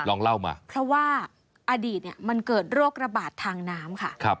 ลองเล่ามาเพราะว่าอดีตมันเกิดโรคระบาดทางน้ำค่ะ